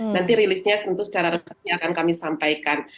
nanti rilisnya tentu secara resmi akan kami sampaikan